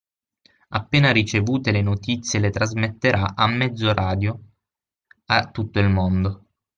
Appena ricevute le notizie le trasmetterà a mezzo radio a tutto il mondo.